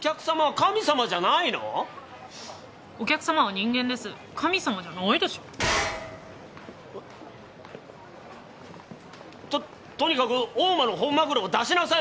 神様じゃないでしょ。ととにかく大間の本マグロを出しなさいよ！